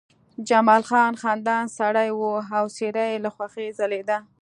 جمال خان خندان سړی و او څېره یې له خوښۍ ځلېدله